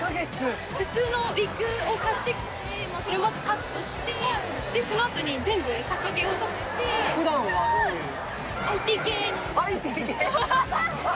普通のウィッグを買ってきてそれをまずカットしてでそのあとに全部逆毛を立ててすごいＩＴ系ＩＴ系！